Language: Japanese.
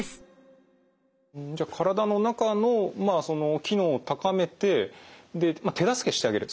じゃあ体の中のその機能を高めてでまあ手助けしてあげる。